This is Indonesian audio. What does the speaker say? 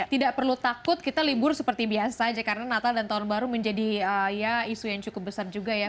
tidak perlu takut kita libur seperti biasa saja karena natal dan tahun baru menjadi ya isu yang cukup besar juga ya